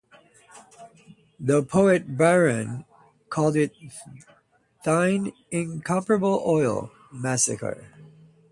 The poet Byron called it "thine incomparable oil, Macassar".